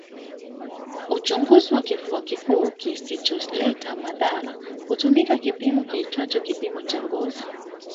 Uchunguzi wa kifua kikuu kisicholeta madhara hutumia kipimo kiitwacho kipimo cha ngozi